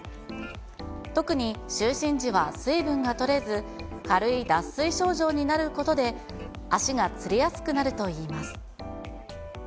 特に就寝時は水分がとれず、軽い脱水症状になることで、足がつりやすくなるといいます。